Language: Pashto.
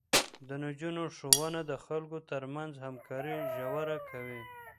د نجونو ښوونه د خلکو ترمنځ همکاري ژوره کوي.